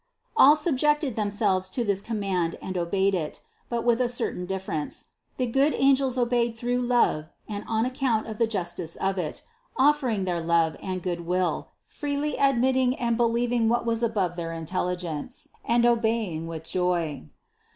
All subjected themselves to this com mand and obeyed it, but with a certain difference; the good angels obeyed through love and on account of the justice of it, offering their love and good will, freely THE CONCEPTION 89 admitting and believing what was above their intelli gence, and obeying with joy.